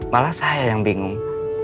malah saya yang bingung